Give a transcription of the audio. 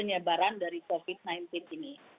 penyebaran dari covid sembilan belas ini